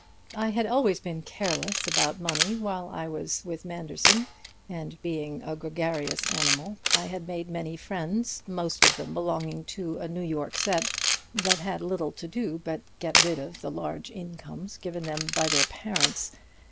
I had always been careless about money while I was with Manderson, and being a gregarious animal I had made many friends, most of them belonging to a New York set that had little to do but get rid of the large incomes given them by their parents.